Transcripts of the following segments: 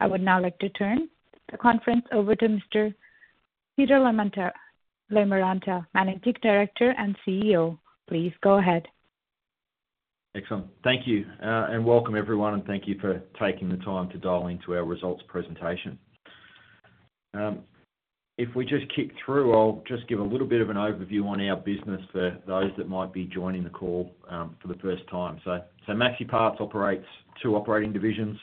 I would now like to turn the conference over to Mr. Peter Loimaranta, Managing Director and CEO. Please go ahead. Excellent. Thank you. Welcome, everyone, and thank you for taking the time to dial into our results presentation. If we just kick through, I'll just give a little bit of an overview on our business for those that might be joining the call for the first time. MaxiPARTS operates two operating divisions: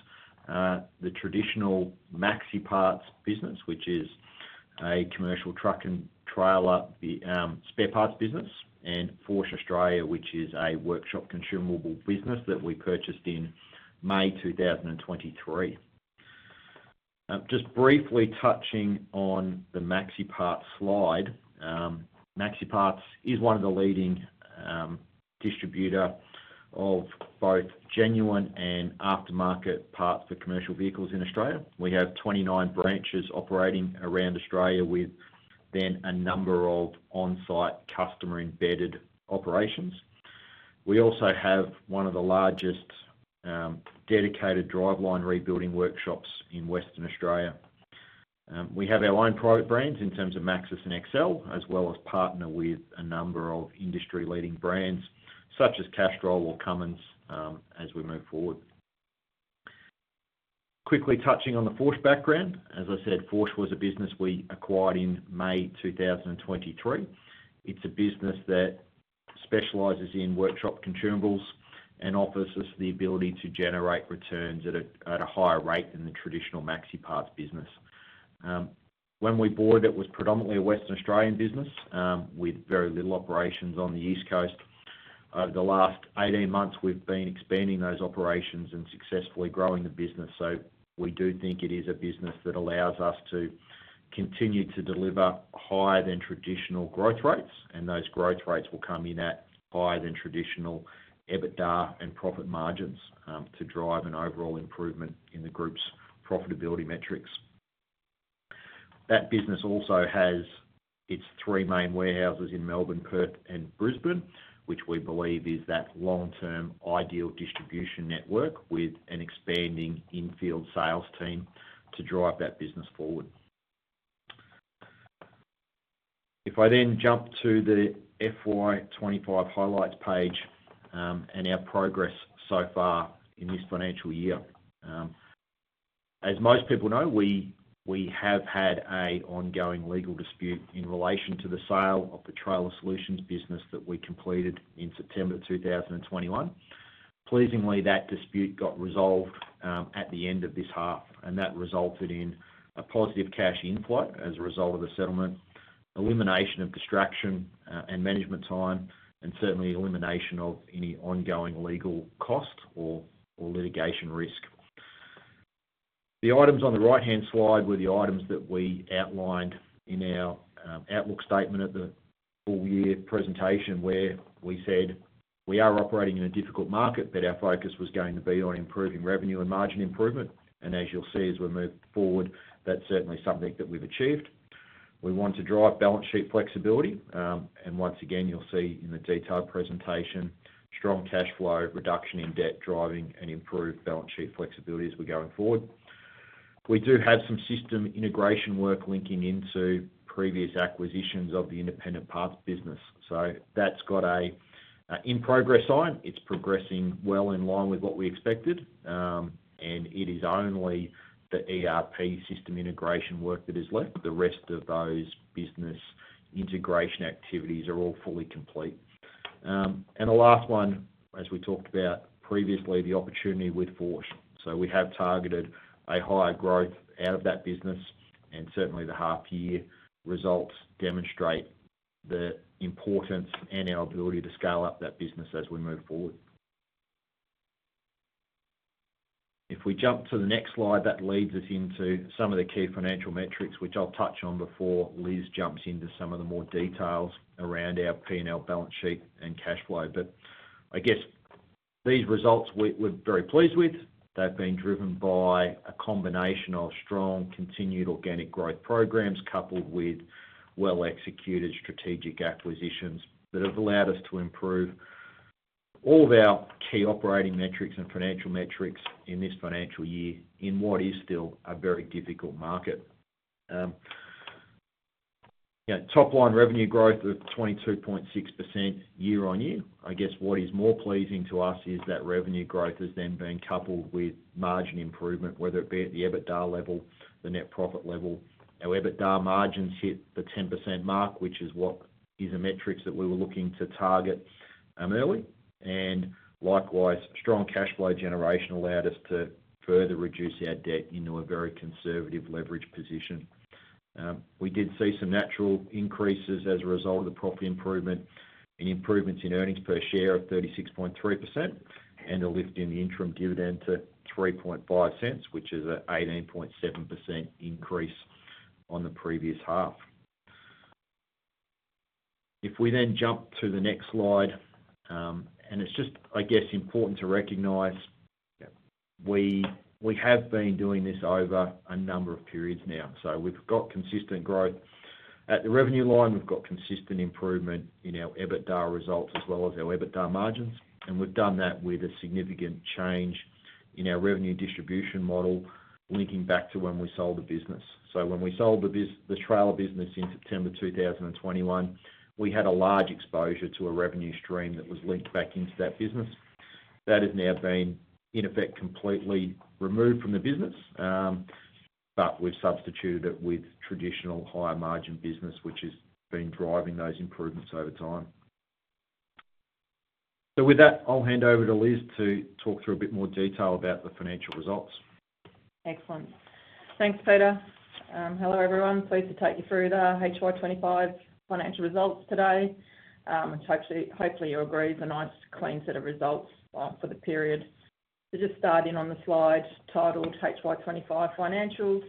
the traditional MaxiPARTS business, which is a commercial truck and trailer spare parts business, and Förch Australia, which is a workshop consumable business that we purchased in May 2023. Just briefly touching on the MaxiPARTS slide, MaxiPARTS is one of the leading distributors of both genuine and aftermarket parts for commercial vehicles in Australia. We have 29 branches operating around Australia with then a number of on-site customer-embedded operations. We also have one of the largest dedicated driveline rebuilding workshops in Western Australia. We have our own product brands in terms of Maxus and Exxel, as well as partner with a number of industry-leading brands such as Castrol or Cummins as we move forward. Quickly touching on the Förch background, as I said, Förch was a business we acquired in May 2023. It's a business that specializes in workshop consumables and offers us the ability to generate returns at a higher rate than the traditional MaxiPARTS business. When we bought it, it was predominantly a Western Australian business with very little operations on the East Coast. Over the last 18 months, we've been expanding those operations and successfully growing the business. We do think it is a business that allows us to continue to deliver higher than traditional growth rates, and those growth rates will come in at higher than traditional EBITDA and profit margins to drive an overall improvement in the group's profitability metrics. That business also has its three main warehouses in Melbourne, Perth, and Brisbane, which we believe is that long-term ideal distribution network with an expanding infield sales team to drive that business forward. If I then jump to the FY2025 highlights page and our progress so far in this financial year, as most people know, we have had an ongoing legal dispute in relation to the sale of the trailer solutions business that we completed in September 2021. Pleasingly, that dispute got resolved at the end of this half, and that resulted in a positive cash inflow as a result of the settlement, elimination of distraction and management time, and certainly elimination of any ongoing legal cost or litigation risk. The items on the right-hand slide were the items that we outlined in our outlook statement at the full-year presentation where we said we are operating in a difficult market, but our focus was going to be on improving revenue and margin improvement. As you'll see as we move forward, that's certainly something that we've achieved. We want to drive balance sheet flexibility. Once again, you'll see in the detailed presentation, strong cash flow, reduction in debt driving, and improved balance sheet flexibility as we're going forward. We do have some system integration work linking into previous acquisitions of the Independent Parts business. That has got an in-progress sign. It is progressing well in line with what we expected, and it is only the ERP system integration work that is left. The rest of those business integration activities are all fully complete. The last one, as we talked about previously, is the opportunity with Förch. We have targeted a higher growth out of that business, and certainly the half-year results demonstrate the importance and our ability to scale up that business as we move forward. If we jump to the next slide, that leads us into some of the key financial metrics, which I will touch on before Liz jumps into some of the more details around our P&L balance sheet and cash flow. I guess these results we are very pleased with. They've been driven by a combination of strong continued organic growth programs coupled with well-executed strategic acquisitions that have allowed us to improve all of our key operating metrics and financial metrics in this financial year in what is still a very difficult market. Top-line revenue growth of 22.6% year on year. I guess what is more pleasing to us is that revenue growth has then been coupled with margin improvement, whether it be at the EBITDA level, the net profit level. Our EBITDA margins hit the 10% mark, which is what is a metric that we were looking to target early. Likewise, strong cash flow generation allowed us to further reduce our debt into a very conservative leverage position. We did see some natural increases as a result of the profit improvement and improvements in earnings per share of 36.3% and a lift in the interim dividend to 0.035, which is an 18.7% increase on the previous half. If we then jump to the next slide, it's just, I guess, important to recognize we have been doing this over a number of periods now. We have got consistent growth at the revenue line. We have got consistent improvement in our EBITDA results as well as our EBITDA margins. We have done that with a significant change in our revenue distribution model linking back to when we sold the business. When we sold the trailer business in September 2021, we had a large exposure to a revenue stream that was linked back into that business. That has now been, in effect, completely removed from the business. But we've substituted it with traditional higher margin business, which has been driving those improvements over time. With that, I'll hand over to Liz to talk through a bit more detail about the financial results. Excellent. Thanks, Peter. Hello, everyone. Pleased to take you through the HY25 financial results today, which hopefully you'll agree is a nice, clean set of results for the period. Just starting on the slide titled HY25 Financials,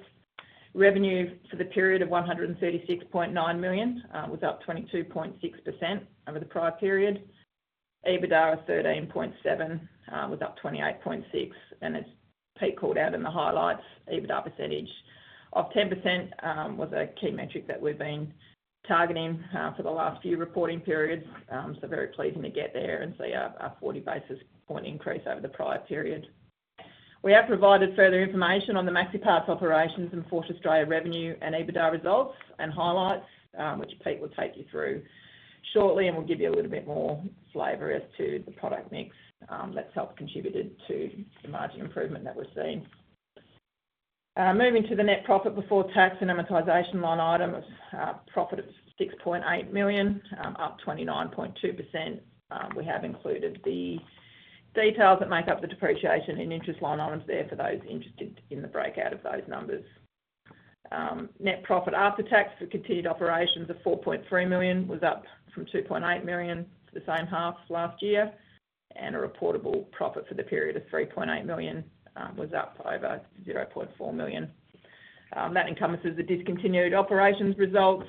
revenue for the period of 136.9 million was up 22.6% over the prior period. EBITDA was 13.7 million, was up 28.6%, and as Pete called out in the highlights, EBITDA percentage of 10% was a key metric that we've been targeting for the last few reporting periods. Very pleasing to get there and see a 40 basis point increase over the prior period. We have provided further information on the MaxiPARTS operations and Förch Australia revenue and EBITDA results and highlights, which Pete will take you through shortly and will give you a little bit more flavor as to the product mix that's helped contributed to the margin improvement that we're seeing. Moving to the net profit before tax and amortization line items, profit of 6.8 million, up 29.2%. We have included the details that make up the depreciation and interest line items there for those interested in the breakout of those numbers. Net profit after tax for continued operations of 4.3 million was up from 2.8 million for the same half last year, and a reportable profit for the period of 3.8 million was up over 0.4 million. That encompasses the discontinued operations results,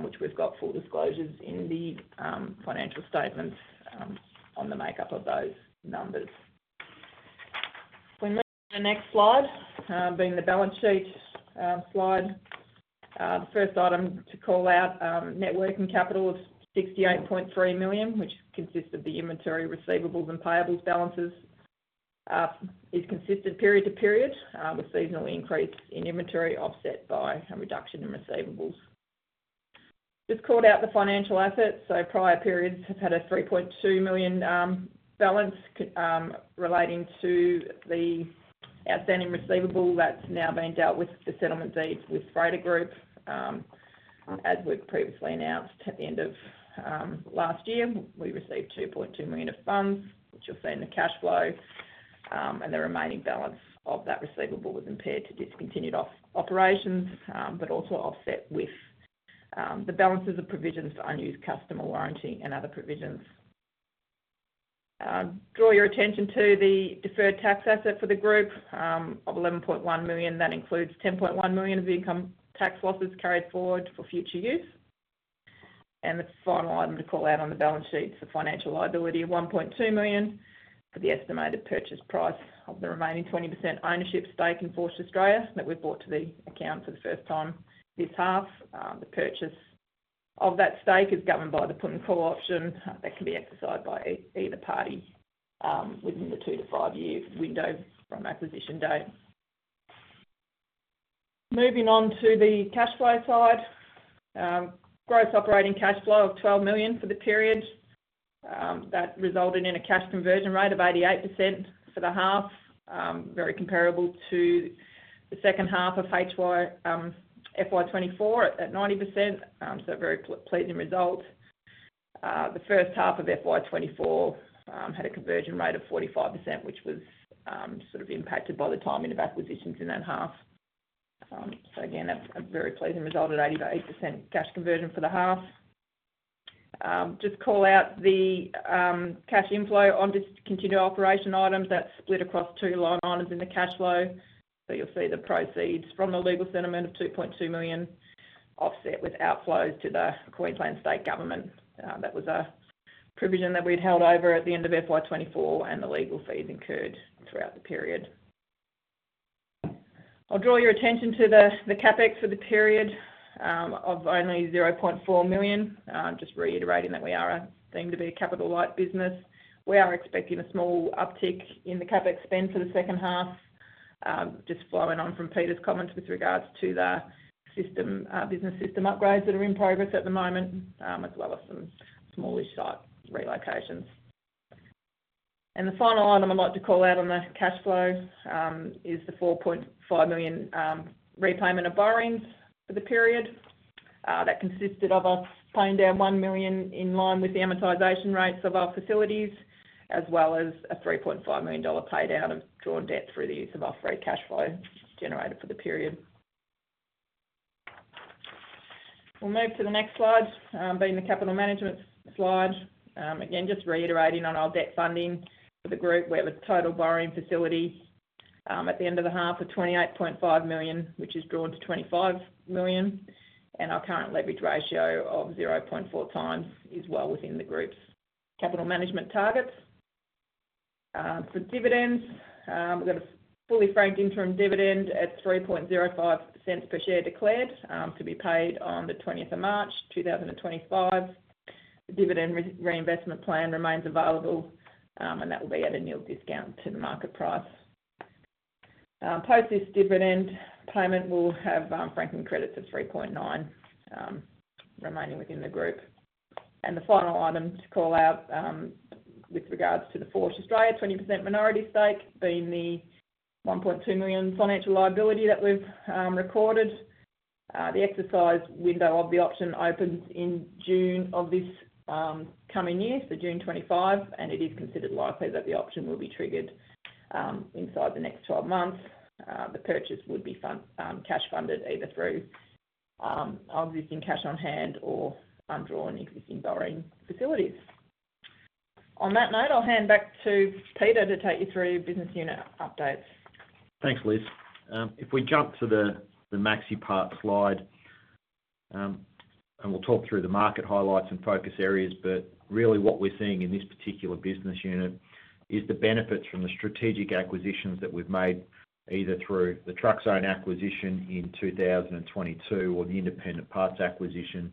which we've got full disclosures in the financial statements on the makeup of those numbers. When we look at the next slide, being the balance sheet slide, the first item to call out, net working capital of 68.3 million, which consists of the inventory receivables and payables balances, is consistent period to period with seasonal increase in inventory offset by a reduction in receivables. Just called out the financial assets. Prior periods have had a 3.2 million balance relating to the outstanding receivable that's now being dealt with the settlement deeds with Freighter Group. As we've previously announced at the end of last year, we received 2.2 million of funds, which you'll see in the cash flow, and the remaining balance of that receivable was impaired to discontinued operations, but also offset with the balances of provisions for unused customer warranty and other provisions. Draw your attention to the deferred tax asset for the group of 11.1 million. That includes 10.1 million of the income tax losses carried forward for future use. The final item to call out on the balance sheet is the financial liability of 1.2 million for the estimated purchase price of the remaining 20% ownership stake in Förch Australia The purchase of that stake is governed by the put and call option that can be exercised by either party within the two- to five-year window from acquisition date. Moving on to the cash flow side, gross operating cash flow of 12 million for the period. That resulted in a cash conversion rate of 88% for the half, very comparable to the second half of FY2024 at 90%. A very pleasing result. The first half of FY2024 had a conversion rate of 45%, which was sort of impacted by the timing of acquisitions in that half. Again, a very pleasing result at 88% cash conversion for the half. Just call out the cash inflow on discontinued operation items that split across two line items in the cash flow. You'll see the proceeds from the legal settlement of 2.2 million offset with outflows to the Queensland State Government. That was a provision that we'd held over at the end of FY2024, and the legal fees incurred throughout the period. I'll draw your attention to the CapEx for the period of only 0.4 million. Just reiterating that we are deemed to be a capital-light business. We are expecting a small uptick in the CapEx spend for the second half, just following on from Peter's comments with regards to the business system upgrades that are in progress at the moment, as well as some smallish site relocations. The final item I'd like to call out on the cash flow is the 4.5 million repayment of borrowings for the period. That consisted of us paying down 1 million in line with the amortization rates of our facilities, as well as a 3.5 million dollar paydown of drawn debt through the use of our free cash flow generated for the period. We'll move to the next slide, being the capital management slide. Again, just reiterating on our debt funding for the group, we have a total borrowing facility at the end of the half of 28.5 million, which is drawn to 25 million. Our current leverage ratio of 0.4 times is well within the group's capital management targets. For dividends, we've got a fully franked interim dividend at 0.0305 per share declared to be paid on the 20th of March 2025. The dividend reinvestment plan remains available, and that will be at a new discount to the market price. Post this dividend payment, we'll have franking credits of 3.9 remaining within the group. The final item to call out with regards to the Förch Australia 20% minority stake is the 1.2 million financial liability that we've recorded. The exercise window of the option opens in June of this coming year, so June 2025, and it is considered likely that the option will be triggered inside the next 12 months. The purchase would be cash funded either through existing cash on hand or drawn existing borrowing facilities. On that note, I'll hand back to Peter to take you through business unit updates. Thanks, Liz. If we jump to the MaxiPARTS slide, and we'll talk through the market highlights and focus areas, but really what we're seeing in this particular business unit is the benefits from the strategic acquisitions that we've made either through the Truckzone acquisition in 2022 or the Independent Parts acquisition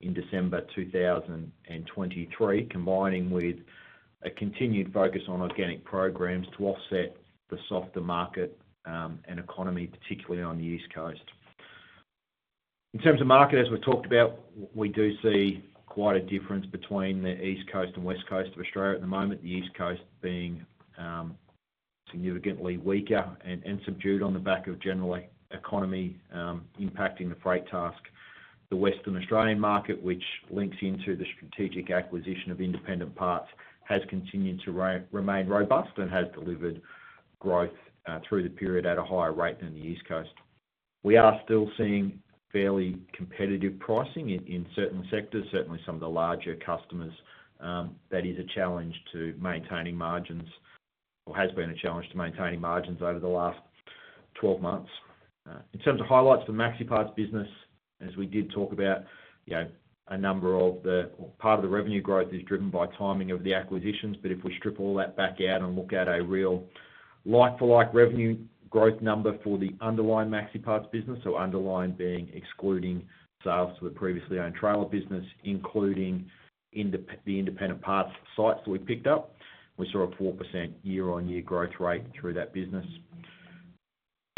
in December 2023, combining with a continued focus on organic programs to offset the softer market and economy, particularly on the East Coast. In terms of market, as we've talked about, we do see quite a difference between the East Coast and West Coast of Australia at the moment, the East Coast being significantly weaker and subdued on the back of general economy impacting the freight task. The Western Australian market, which links into the strategic acquisition of Independent Parts, has continued to remain robust and has delivered growth through the period at a higher rate than the East Coast. We are still seeing fairly competitive pricing in certain sectors, certainly some of the larger customers. That is a challenge to maintaining margins or has been a challenge to maintaining margins over the last 12 months. In terms of highlights for MaxiPARTS business, as we did talk about, a number of the part of the revenue growth is driven by timing of the acquisitions, but if we strip all that back out and look at a real like-for-like revenue growth number for the underlying MaxiPARTS business, so underlying being excluding sales to the previously owned trailer business, including the Independent Parts sites that we picked up, we saw a 4% year-on-year growth rate through that business.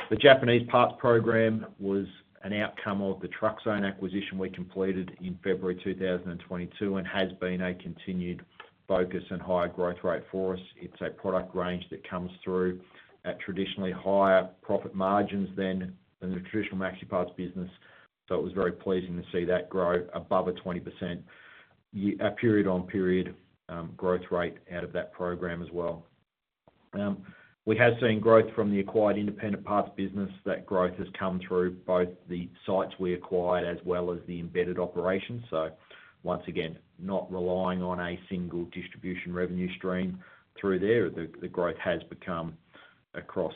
The Japanese parts program was an outcome of the Truckzone acquisition we completed in February 2022 and has been a continued focus and higher growth rate for us. It's a product range that comes through at traditionally higher profit margins than the traditional MaxiPARTS business, so it was very pleasing to see that grow above a 20% period-on-period growth rate out of that program as well. We have seen growth from the acquired Independent Parts business. That growth has come through both the sites we acquired as well as the embedded operations. Once again, not relying on a single distribution revenue stream through there, the growth has come across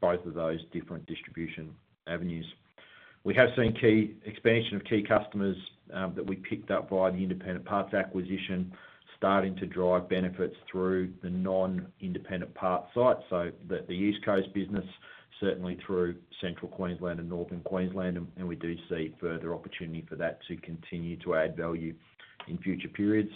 both of those different distribution avenues. We have seen expansion of key customers that we picked up via the Independent Parts acquisition starting to drive benefits through the non-Independent Parts site. The East Coast business, certainly through central Queensland and northern Queensland, and we do see further opportunity for that to continue to add value in future periods.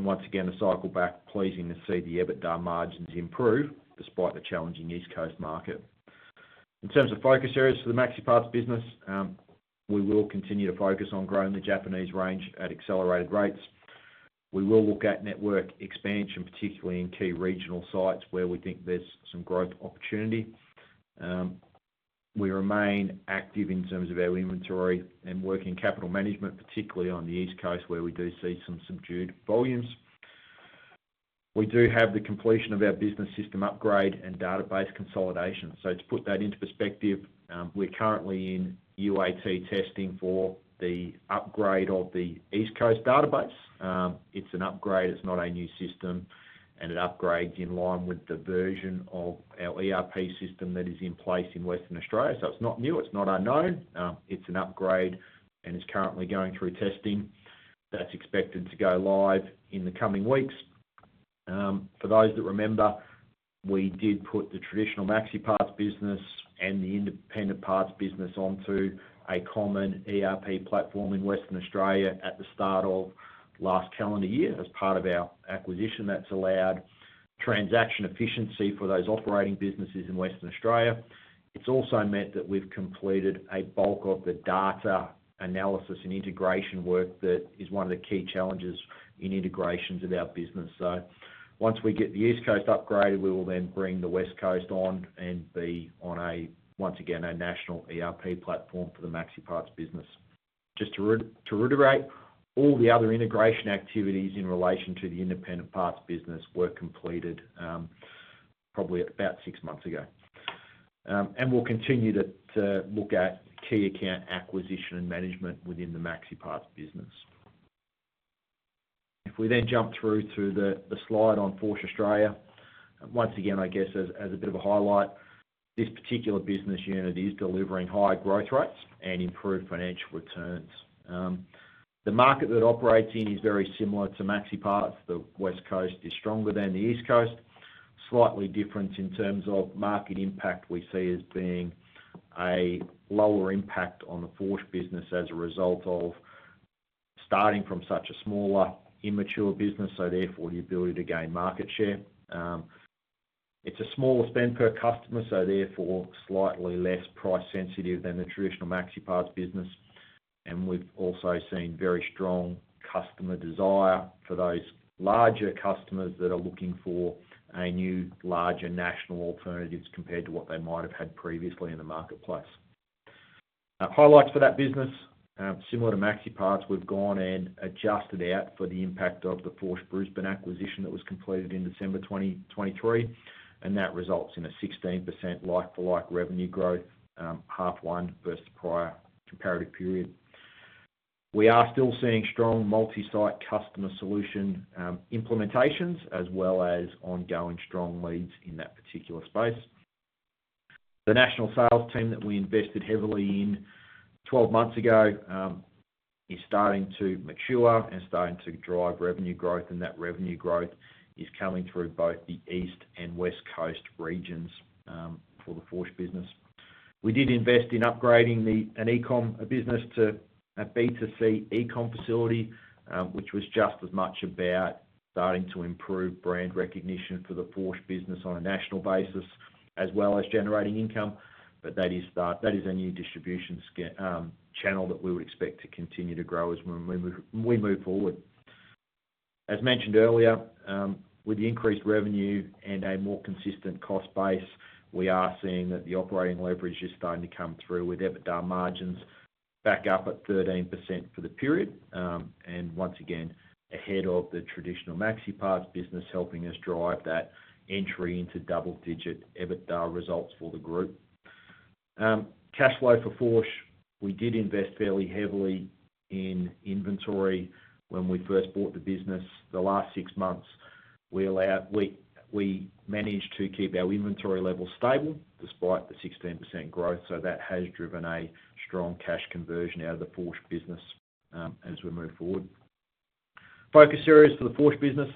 Once again, a cycle back, pleasing to see the EBITDA margins improve despite the challenging East Coast market. In terms of focus areas for the MaxiPARTS business, we will continue to focus on growing the Japanese range at accelerated rates. We will look at network expansion, particularly in key regional sites where we think there is some growth opportunity. We remain active in terms of our inventory and working capital management, particularly on the East Coast where we do see some subdued volumes. We do have the completion of our business system upgrade and database consolidation. To put that into perspective, we are currently in UAT testing for the upgrade of the East Coast database. It is an upgrade. It's not a new system, and it upgrades in line with the version of our ERP system that is in place in Western Australia. It's not new. It's not unknown. It's an upgrade, and it's currently going through testing. That's expected to go live in the coming weeks. For those that remember, we did put the traditional MaxiPARTS business and the Independent Parts business onto a common ERP platform in Western Australia at the start of last calendar year as part of our acquisition. That's allowed transaction efficiency for those operating businesses in Western Australia. It's also meant that we've completed a bulk of the data analysis and integration work that is one of the key challenges in integrations of our business. Once we get the East Coast upgraded, we will then bring the West Coast on and be on, once again, a national ERP platform for the MaxiPARTS business. Just to reiterate, all the other integration activities in relation to the Independent Parts business were completed probably about six months ago. We will continue to look at key account acquisition and management within the MaxiPARTS business. If we then jump through to the slide on Förch Australia, once again, I guess as a bit of a highlight, this particular business unit is delivering high growth rates and improved financial returns. The market that it operates in is very similar to MaxiPARTS. The West Coast is stronger than the East Coast. Slightly different in terms of market impact, we see as being a lower impact on the Förch business as a result of starting from such a smaller immature business, so therefore the ability to gain market share. It is a smaller spend per customer, so therefore slightly less price-sensitive than the traditional MaxiPARTS business. We have also seen very strong customer desire for those larger customers that are looking for a new, larger national alternatives compared to what they might have had previously in the marketplace. Highlights for that business, similar to MaxiPARTS, we have gone and adjusted out for the impact of the Förch Brisbane acquisition that was completed in December 2023, and that results in a 16% like-for-like revenue growth, half one versus the prior comparative period. We are still seeing strong multi-site customer solution implementations as well as ongoing strong leads in that particular space. The national sales team that we invested heavily in 12 months ago is starting to mature and starting to drive revenue growth, and that revenue growth is coming through both the East and West Coast regions for the Förch business. We did invest in upgrading an e-comm business to a B2C e-comm facility, which was just as much about starting to improve brand recognition for the Förch business on a national basis as well as generating income, but that is a new distribution channel that we would expect to continue to grow as we move forward. As mentioned earlier, with the increased revenue and a more consistent cost base, we are seeing that the operating leverage is starting to come through with EBITDA margins back up at 13% for the period, and once again, ahead of the traditional MaxiPARTS business, helping us drive that entry into double-digit EBITDA results for the group. Cash flow for Förch, we did invest fairly heavily in inventory when we first bought the business. The last six months, we managed to keep our inventory level stable despite the 16% growth, so that has driven a strong cash conversion out of the Förch business as we move forward. Focus areas for the Förch business,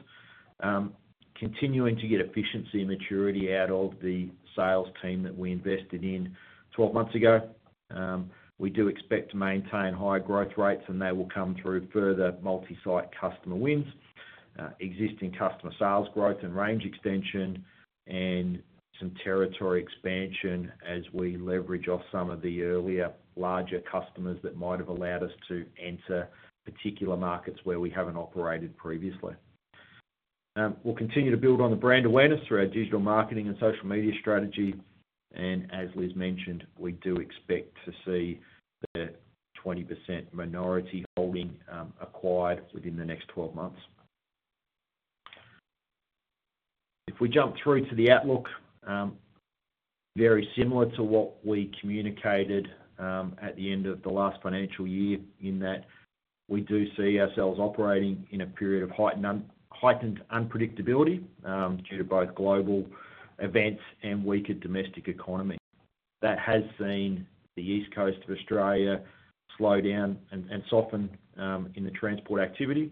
continuing to get efficiency and maturity out of the sales team that we invested in 12 months ago. We do expect to maintain high growth rates, and they will come through further multi-site customer wins, existing customer sales growth and range extension, and some territory expansion as we leverage off some of the earlier larger customers that might have allowed us to enter particular markets where we haven't operated previously. We'll continue to build on the brand awareness through our digital marketing and social media strategy, and as Liz mentioned, we do expect to see the 20% minority holding acquired within the next 12 months. If we jump through to the outlook, very similar to what we communicated at the end of the last financial year in that we do see ourselves operating in a period of heightened unpredictability due to both global events and weaker domestic economy. That has seen the East Coast of Australia slow down and soften in the transport activity.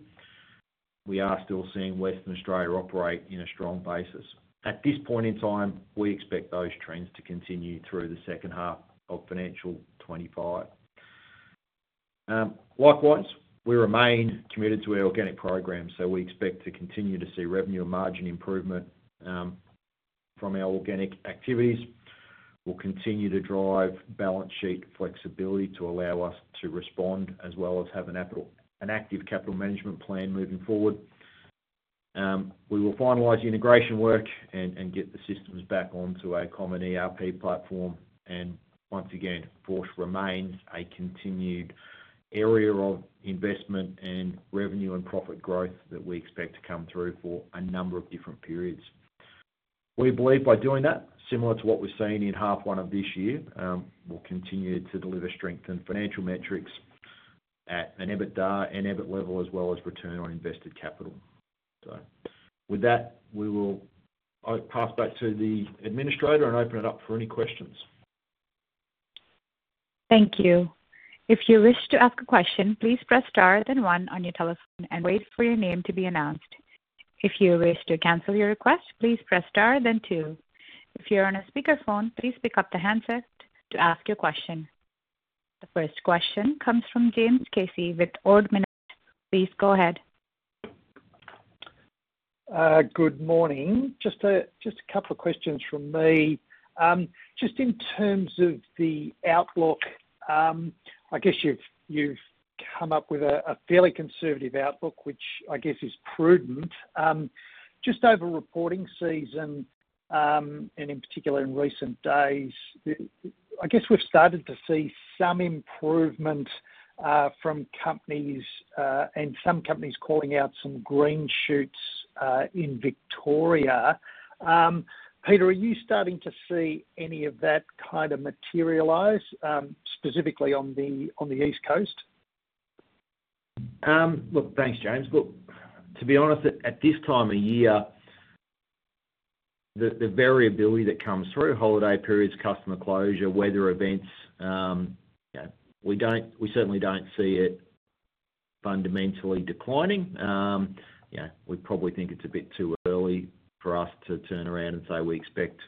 We are still seeing Western Australia operate in a strong basis. At this point in time, we expect those trends to continue through the second half of financial 2025. Likewise, we remain committed to our organic program, so we expect to continue to see revenue and margin improvement from our organic activities. We will continue to drive balance sheet flexibility to allow us to respond as well as have an active capital management plan moving forward. We will finalize the integration work and get the systems back onto a common ERP platform, and once again, Förch remains a continued area of investment and revenue and profit growth that we expect to come through for a number of different periods. We believe by doing that, similar to what we've seen in half one of this year, we'll continue to deliver strengthened financial metrics at an EBITDA and EBIT level as well as return on invested capital. With that, we will pass back to the administrator and open it up for any questions. Thank you. If you wish to ask a question, please press star then one on your telephone and wait for your name to be announced. If you wish to cancel your request, please press star then two. If you're on a speakerphone, please pick up the handset to ask your question. The first question comes from James Casey with Ord Minnett. Please go ahead. Good morning. Just a couple of questions from me. Just in terms of the outlook, I guess you've come up with a fairly conservative outlook, which I guess is prudent. Just over reporting season, and in particular in recent days, I guess we've started to see some improvement from companies and some companies calling out some green shoots in Victoria. Peter, are you starting to see any of that kind of materialize, specifically on the East Coast? Look, thanks, James. To be honest, at this time of year, the variability that comes through, holiday periods, customer closure, weather events, we certainly do not see it fundamentally declining. We probably think it is a bit too early for us to turn around and say we expect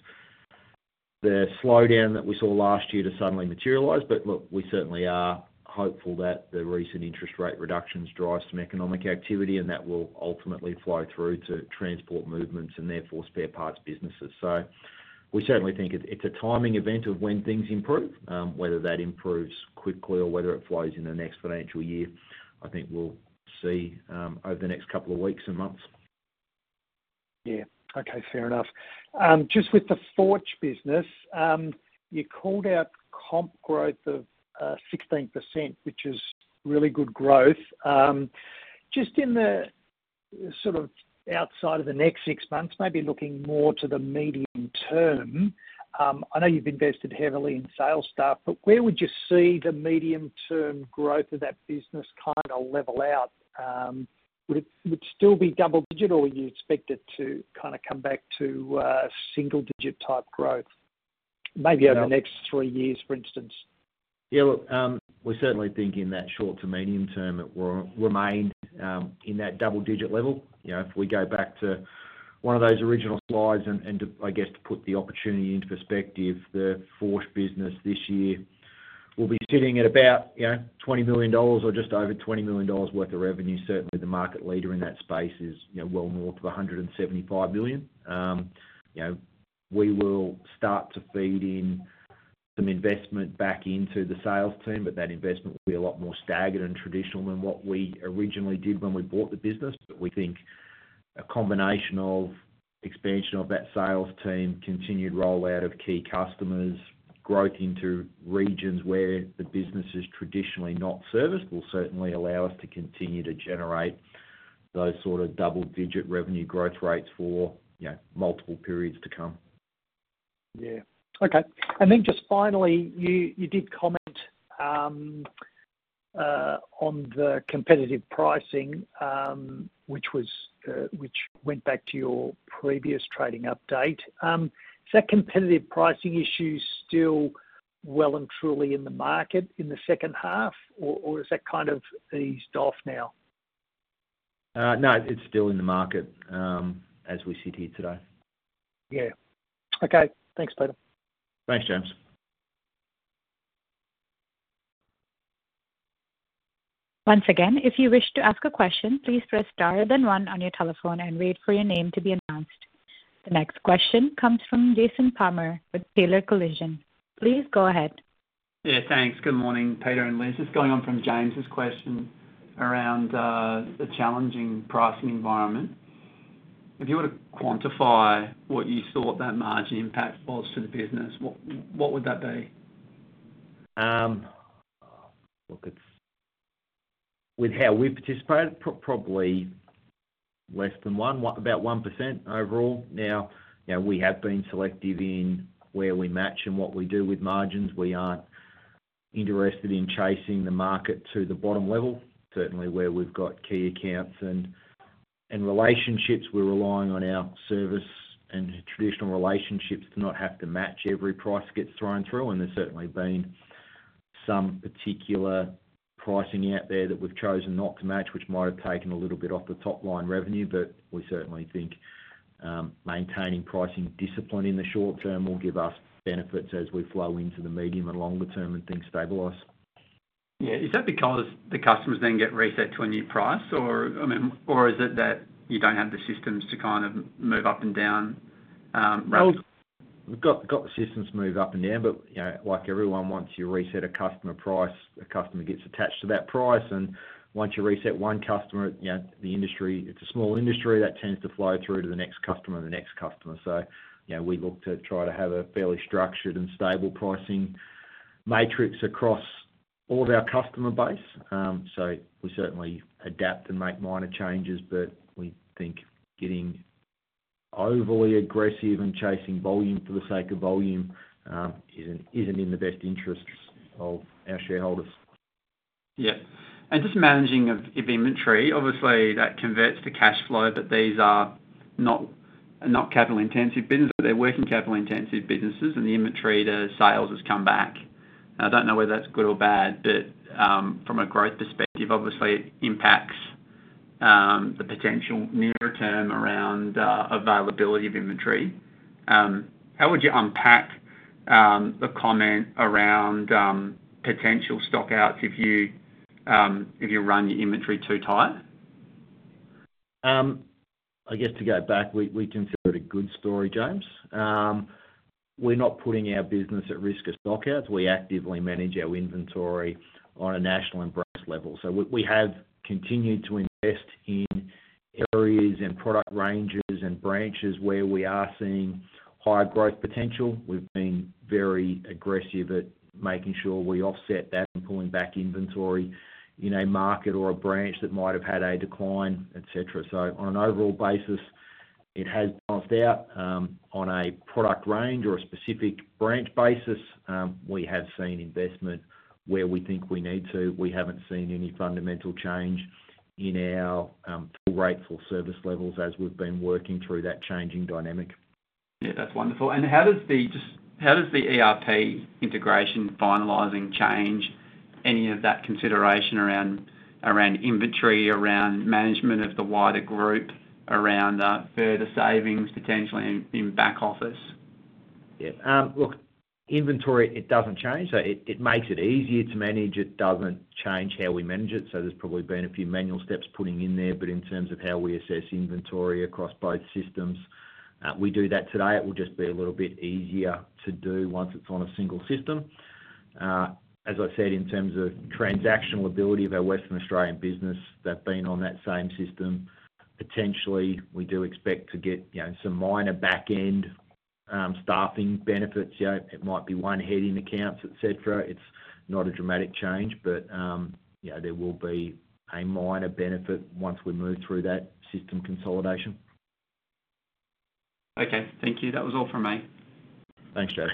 the slowdown that we saw last year to suddenly materialize, but we certainly are hopeful that the recent interest rate reductions drive some economic activity and that will ultimately flow through to transport movements and therefore spare parts businesses. We certainly think it is a timing event of when things improve. Whether that improves quickly or whether it flows in the next financial year, I think we will see over the next couple of weeks and months. Yeah. Okay. Fair enough. Just with the Förch business, you called out comp growth of 16%, which is really good growth. Just in the sort of outside of the next six months, maybe looking more to the medium term, I know you've invested heavily in sales staff, but where would you see the medium-term growth of that business kind of level out? Would it still be double-digit or would you expect it to kind of come back to single-digit type growth, maybe over the next three years, for instance? Yeah. Look, we're certainly thinking that short to medium term it will remain in that double-digit level. If we go back to one of those original slides and I guess to put the opportunity into perspective, the Förch business this year will be sitting at about 20 million dollars or just over 20 million dollars worth of revenue. Certainly, the market leader in that space is well north of 175 million. We will start to feed in some investment back into the sales team, but that investment will be a lot more staggered and traditional than what we originally did when we bought the business. We think a combination of expansion of that sales team, continued rollout of key customers, growth into regions where the business is traditionally not serviced will certainly allow us to continue to generate those sort of double-digit revenue growth rates for multiple periods to come. Yeah. Okay. And then just finally, you did comment on the competitive pricing, which went back to your previous trading update. Is that competitive pricing issue still well and truly in the market in the second half, or is that kind of eased off now? No, it's still in the market as we sit here today. Yeah. Okay. Thanks, Peter. Thanks, James. Once again, if you wish to ask a question, please press star then one on your telephone and wait for your name to be announced. The next question comes from Jason Palmer with Taylor Collison. Please go ahead. Yeah. Thanks. Good morning, Peter and Liz. Just going on from James's question around the challenging pricing environment. If you were to quantify what you thought that margin impact was to the business, what would that be? Look, with how we participated, probably less than one, about 1% overall. Now, we have been selective in where we match and what we do with margins. We aren't interested in chasing the market to the bottom level. Certainly, where we've got key accounts and relationships, we're relying on our service and traditional relationships to not have to match every price that gets thrown through. There has certainly been some particular pricing out there that we've chosen not to match, which might have taken a little bit off the top-line revenue, but we certainly think maintaining pricing discipline in the short term will give us benefits as we flow into the medium and longer term and things stabilize. Yeah. Is that because the customers then get reset to a new price, or is it that you don't have the systems to kind of move up and down rates? We have the systems to move up and down, but like everyone wants you to reset a customer price, a customer gets attached to that price. Once you reset one customer, the industry, it's a small industry, that tends to flow through to the next customer and the next customer. We look to try to have a fairly structured and stable pricing matrix across all of our customer base. We certainly adapt and make minor changes, but we think getting overly aggressive and chasing volume for the sake of volume is not in the best interests of our shareholders. Yeah. Just managing inventory, obviously that converts to cash flow, but these are not capital-intensive businesses. They're working capital-intensive businesses, and the inventory to sales has come back. I don't know whether that's good or bad, but from a growth perspective, obviously it impacts the potential nearer term around availability of inventory. How would you unpack the comment around potential stockouts if you run your inventory too tight? I guess to go back, we consider it a good story, James. We're not putting our business at risk of stockouts. We actively manage our inventory on a national and breadth level. We have continued to invest in areas and product ranges and branches where we are seeing high growth potential. We've been very aggressive at making sure we offset that and pulling back inventory in a market or a branch that might have had a decline, etc. On an overall basis, it has balanced out. On a product range or a specific branch basis, we have seen investment where we think we need to. We haven't seen any fundamental change in our full rate full service levels as we've been working through that changing dynamic. Yeah. That's wonderful. How does the ERP integration finalizing change any of that consideration around inventory, around management of the wider group, around further savings potentially in back office? Yeah. Look, inventory, it does not change. It makes it easier to manage. It does not change how we manage it. There has probably been a few manual steps put in there, but in terms of how we assess inventory across both systems, we do that today. It will just be a little bit easier to do once it is on a single system. As I said, in terms of transactional ability of our Western Australian business, they have been on that same system. Potentially, we do expect to get some minor back-end staffing benefits. It might be one head in accounts, etc. It is not a dramatic change, but there will be a minor benefit once we move through that system consolidation. Okay. Thank you. That was all from me. Thanks, James.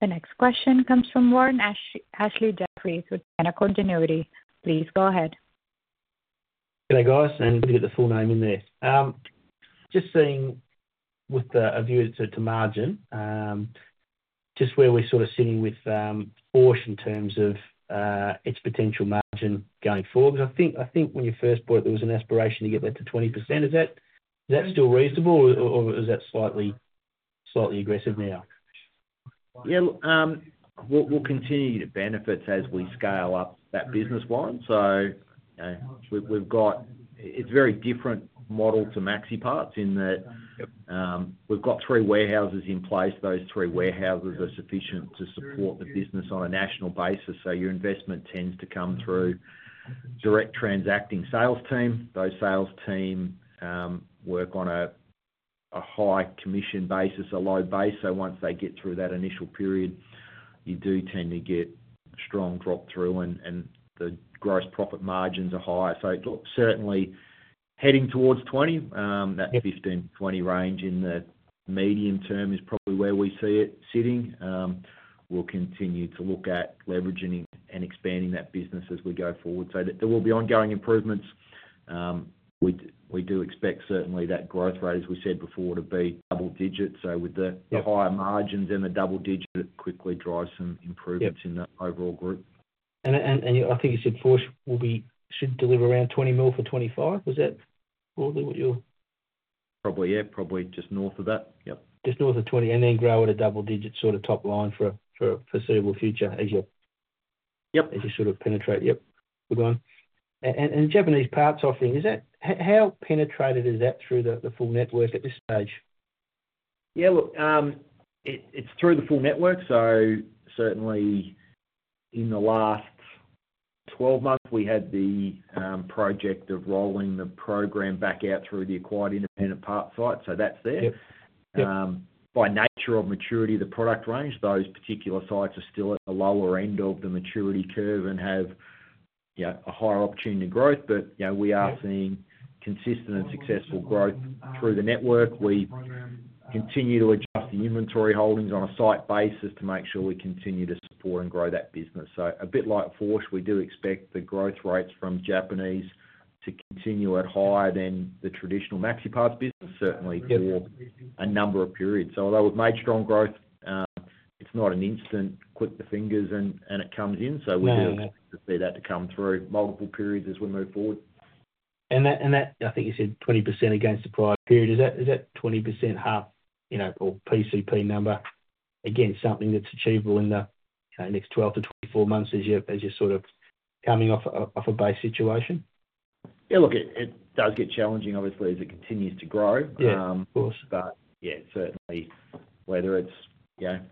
The next question comes from Lorne Ashley Jeffries with Pinnacle Investment Management. Please go ahead. Hello, guys. Did you get the full name in there? Just seeing with a view to margin, just where we're sort of sitting with Förch in terms of its potential margin going forward, because I think when you first bought it, there was an aspiration to get that to 20%. Is that still reasonable, or is that slightly aggressive now? Yeah. Look, we'll continue to benefit as we scale up that business line. It is a very different model to MaxiPARTS in that we've got three warehouses in place. Those three warehouses are sufficient to support the business on a national basis. Your investment tends to come through direct transacting sales team. Those sales teams work on a high commission basis, a low base. Once they get through that initial period, you do tend to get strong drop-through, and the gross profit margins are higher. Certainly heading towards 20, that 15-20 range in the medium term is probably where we see it sitting. We'll continue to look at leveraging and expanding that business as we go forward. There will be ongoing improvements. We do expect certainly that growth rate, as we said before, to be double-digit. With the higher margins and the double-digit, it quickly drives some improvements in the overall group. I think you said Förch should deliver around 20 more for 25. Was that probably what you're? Probably, yeah. Probably just north of that. Yep. Just north of 20 and then grow at a double-digit sort of top line for a foreseeable future as you sort of penetrate. Yep. We're going. And Japanese parts offering, how penetrated is that through the full network at this stage? Yeah. Look, it's through the full network. Certainly in the last 12 months, we had the project of rolling the program back out through the acquired Independent Parts site. That's there. By nature of maturity of the product range, those particular sites are still at the lower end of the maturity curve and have a higher opportunity to growth, but we are seeing consistent and successful growth through the network. We continue to adjust the inventory holdings on a site basis to make sure we continue to support and grow that business. A bit like Förch, we do expect the growth rates from Japanese to continue at higher than the traditional MaxiPARTS business, certainly for a number of periods. Although we've made strong growth, it's not an instant click the fingers and it comes in. We do expect to see that come through multiple periods as we move forward. I think you said 20% against the prior period. Is that 20% half or PCP number, again, something that's achievable in the next 12 to 24 months as you're sort of coming off a base situation? Yeah. Look, it does get challenging, obviously, as it continues to grow. Yeah. Of course. Yeah, certainly whether it's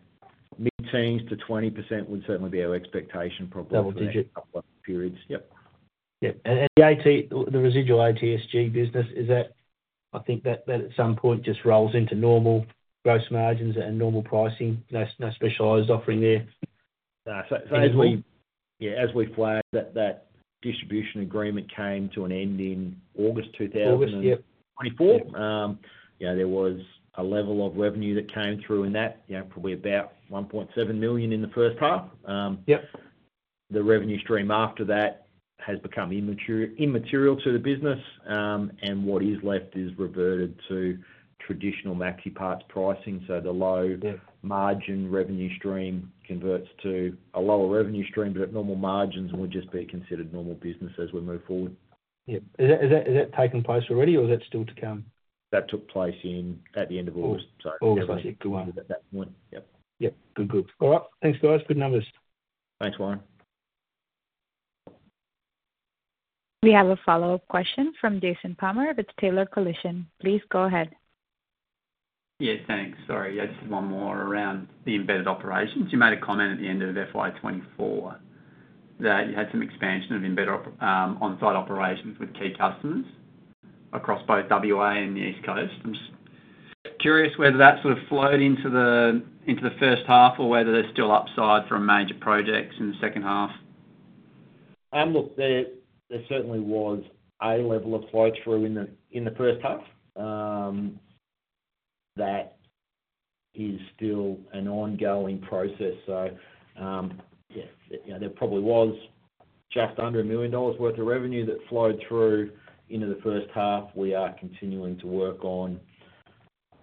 mid-teens to 20% would certainly be our expectation probably for a couple of periods. Double-digit. Yep. Yeah. The residual ATSG business, I think that at some point just rolls into normal gross margins and normal pricing. No specialized offering there. Yeah. As we flagged that, that distribution agreement came to an end in August 2024. August, yep. There was a level of revenue that came through in that, probably about 1.7 million in the first half. The revenue stream after that has become immaterial to the business, and what is left is reverted to traditional MaxiPARTS pricing. The low margin revenue stream converts to a lower revenue stream, but at normal margins, we'll just be considered normal business as we move forward. Yeah. Is that taking place already, or is that still to come? That took place at the end of August. August. So yeah. August. Good one. At that point. Yep. Yep. Good, good. All right. Thanks, guys. Good numbers. Thanks, Lorn. We have a follow-up question from Jason Palmer with Taylor Collison. Please go ahead. Yeah. Thanks. Sorry. Just one more around the embedded operations. You made a comment at the end of FY2024 that you had some expansion of on-site operations with key customers across both WA and the East Coast. I'm just curious whether that sort of flowed into the first half or whether there's still upside for major projects in the second half. Look, there certainly was a level of flow-through in the first half. That is still an ongoing process. Yeah, there probably was just under 1 million dollars worth of revenue that flowed through into the first half. We are continuing to work on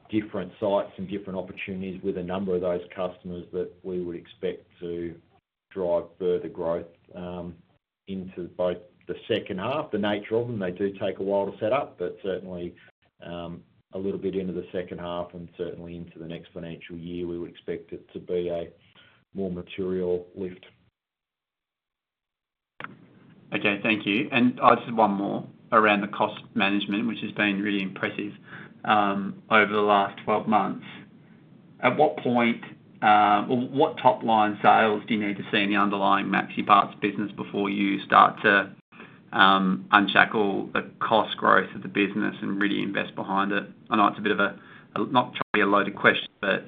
different sites and different opportunities with a number of those customers that we would expect to drive further growth into both the second half. The nature of them, they do take a while to set up, but certainly a little bit into the second half and certainly into the next financial year, we would expect it to be a more material lift. Okay. Thank you. I just have one more around the cost management, which has been really impressive over the last 12 months. At what point or what top-line sales do you need to see in the underlying MaxiPARTS business before you start to unshackle the cost growth of the business and really invest behind it? I know it's a bit of a not trying to be a loaded question, but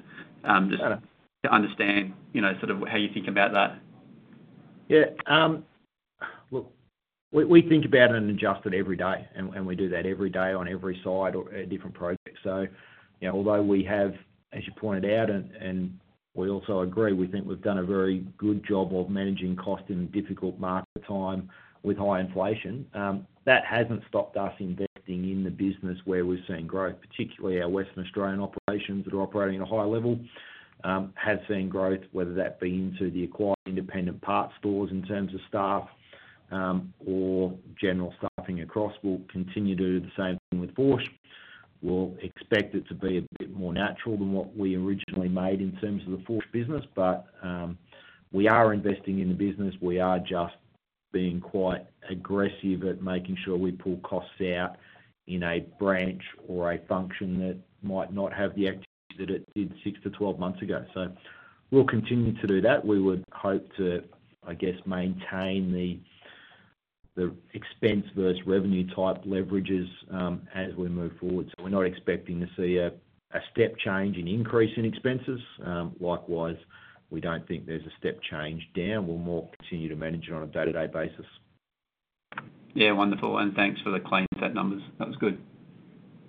just to understand sort of how you think about that. Yeah. Look, we think about it and adjust it every day. We do that every day on every side or at different projects. Although we have, as you pointed out, and we also agree, we think we've done a very good job of managing cost in difficult market time with high inflation, that hasn't stopped us investing in the business where we've seen growth. Particularly, our Western Australian operations that are operating at a high level have seen growth, whether that be into the acquired Independent Parts stores in terms of staff or general staffing across. We'll continue to do the same thing with Force. We expect it to be a bit more natural than what we originally made in terms of the Force business, but we are investing in the business. We are just being quite aggressive at making sure we pull costs out in a branch or a function that might not have the activity that it did six to twelve months ago. We will continue to do that. We would hope to, I guess, maintain the expense versus revenue type leverages as we move forward. We are not expecting to see a step change in increase in expenses. Likewise, we do not think there is a step change down. We will more continue to manage it on a day-to-day basis. Yeah. Wonderful. Thanks for the clean set numbers. That was good.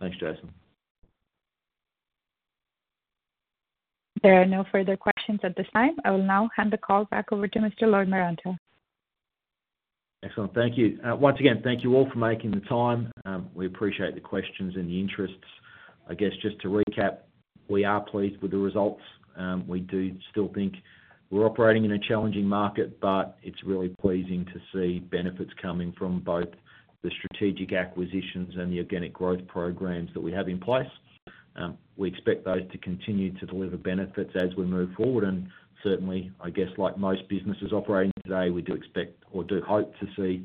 Thanks, Jason. There are no further questions at this time. I will now hand the call back over to Mr. Peter Loimaranta. Excellent. Thank you. Once again, thank you all for making the time. We appreciate the questions and the interest. I guess just to recap, we are pleased with the results. We do still think we're operating in a challenging market, but it's really pleasing to see benefits coming from both the strategic acquisitions and the organic growth programs that we have in place. We expect those to continue to deliver benefits as we move forward. Certainly, I guess, like most businesses operating today, we do expect or do hope to see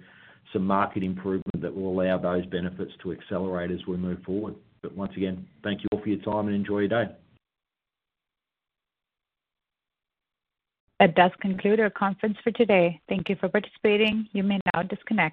some market improvement that will allow those benefits to accelerate as we move forward. Once again, thank you all for your time and enjoy your day. That does conclude our conference for today. Thank you for participating. You may now disconnect.